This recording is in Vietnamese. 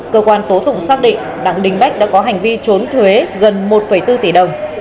cơ quan tố tụng xác định đặng đình bách đã có hành vi trốn thuế gần một bốn tỷ đồng